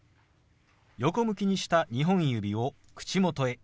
横向きにした２本指を口元へ。